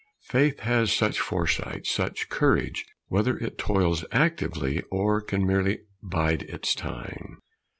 Faith has such foresight, such courage, whether it toils actively or can merely bide its time.